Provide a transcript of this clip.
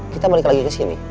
kita balik lagi ke sini